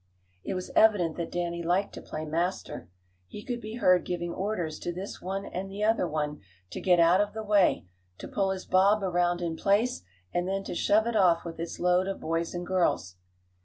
It was evident that Danny liked to play master. He could be heard giving orders to this one and the other one to get out of the way, to pull his bob around in place, and then to shove it off with its load of boys and girls.